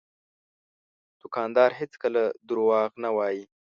دوکاندار هېڅکله دروغ نه وایي.